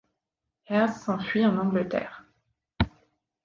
Herz s'enfuit en Angleterre.